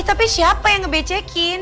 tapi siapa yang ngebecekin